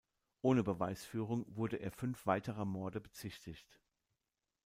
Ohne Beweisführung wurde er fünf weiterer Morde bezichtigt.